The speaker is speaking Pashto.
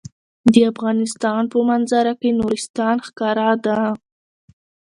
د افغانستان په منظره کې نورستان ښکاره ده.